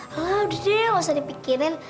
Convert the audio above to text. wah udah deh gak usah dipikirin